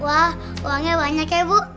wah uangnya banyak ya bu